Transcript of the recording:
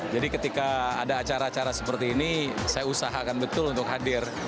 jadi ketika ada acara acara seperti ini saya usahakan betul untuk hadir